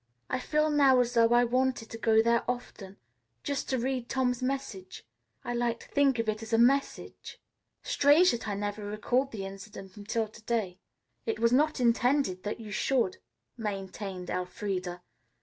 "I feel now as though I wanted to go there often, just to read Tom's message. I like to think of it as a message. Strange that I never recalled the incident until to day." "It was not intended that you should," maintained Elfreda.